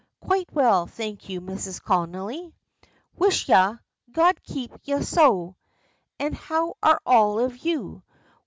"Quite well, thank you, Mrs. Connolly." "Wisha God keep ye so." "And how are all of you?